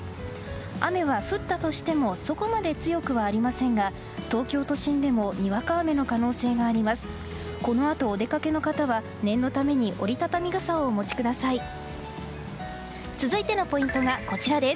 雨は降ったとしてもそこまで強くはありませんが東京都心でもにわか雨の可能性があります。